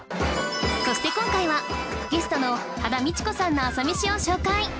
そして今回はゲストの羽田美智子さんの朝メシを紹介